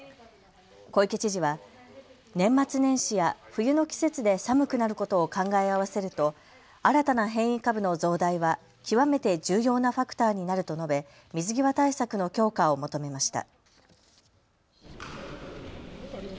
小池知事は年末年始や冬の季節で寒くなることを考え合わせると新たな変異株の増大は極めて重要なファクターになると述べ水際対策の強化を求めました。